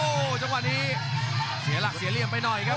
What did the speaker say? โอ้โหจังหวะนี้เสียหลักเสียเหลี่ยมไปหน่อยครับ